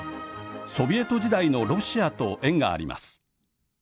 ソビエト時代のロシアと縁があります。